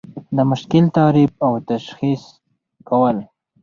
د مشکل تعریف او تشخیص کول.